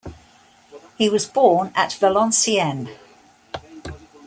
He was born at Valenciennes.